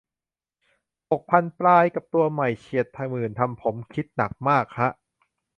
หกพันปลาย กับตัวใหม่ เฉียดหมื่นทำผมคิดหนักมากฮะ